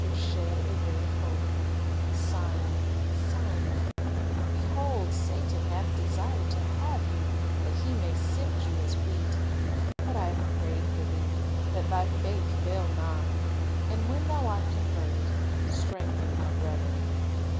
would shed a ray of hope: "Simon, Simon, behold, Satan hath desired to have you, that he may sift you as wheat. But I have prayed for thee, that thy faith fail not; and when thou art converted, strengthen thy brethren."